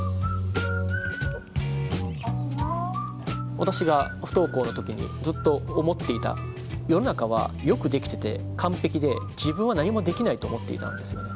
私が不登校の時にずっと思っていた「世の中はよく出来てて完璧で自分は何もできない」と思っていたんですよね。